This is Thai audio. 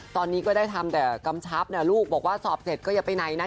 ตอนนี้ก็ได้ทำแต่กำชับนะลูกบอกว่าสอบเสร็จก็อย่าไปไหนนะ